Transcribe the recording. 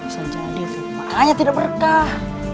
sejak itu makanya tidak berkah